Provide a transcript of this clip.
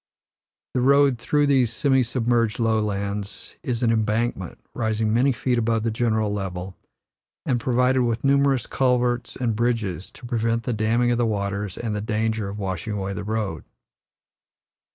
The road through these semi submerged lowlands is an embankment, rising many feet above the general level, and provided with numerous culverts and bridges to prevent the damming of the waters and the danger of washing away the road.